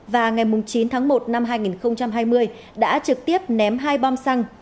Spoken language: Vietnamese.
và ngày chín tháng một năm hai nghìn hai mươi đã trực tiếp ném hai bom xăng